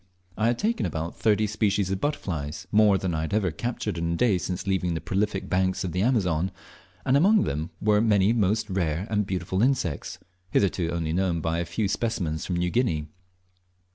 I had taken about thirty species of butterflies, more than I had ever captured in a day since leaving the prolific banks of the Amazon, and among them were many most rare and beautiful insects, hitherto only known by a few specimens from New Guinea.